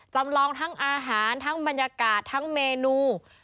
จำลองทั้งอาหารทั้งบรรยากาศทั้งเมนู